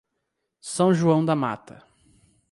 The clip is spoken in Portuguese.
São João da Mata